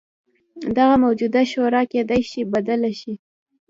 دغه موجوده شورا کېدای شي بدله شي.